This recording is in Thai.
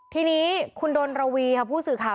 ทีนี้คุณดนระวีค่ะผู้สื่อข่าว